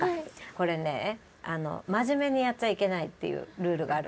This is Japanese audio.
これね真面目にやっちゃいけないっていうルールがある。